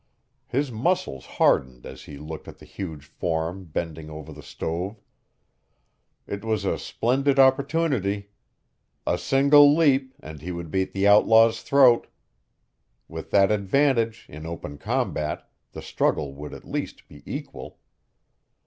His muscles hardened as he looked at the huge form bending over the stove. It was a splendid opportunity. A single leap and he would be at the outlaw's throat. With that advantage, in open combat, the struggle would at least be equal.